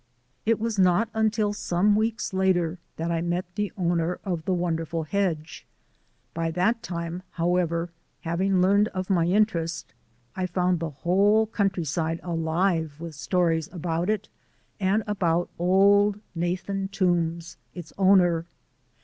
It was not until some weeks later that I met the owner of the wonderful hedge. By that time, however, having learned of my interest, I found the whole countryside alive with stories about it and about Old Nathan Toombs, its owner.